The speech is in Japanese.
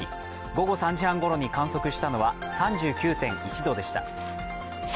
午後３時半ごろに観測したのは３９．１度でした。